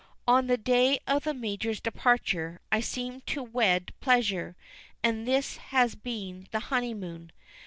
On the day of the Major's departure I seemed to wed pleasure; and this has been the honeymoon.